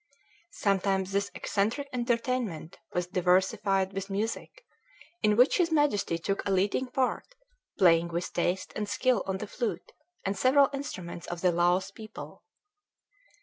Sometimes this eccentric entertainment was diversified with music, in which his Majesty took a leading part, playing with taste and skill on the flute, and several instruments of the Laos people.